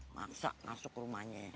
maksa masuk ke rumahnya